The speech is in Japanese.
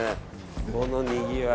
このにぎわい。